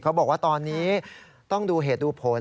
บอกว่าตอนนี้ต้องดูเหตุดูผล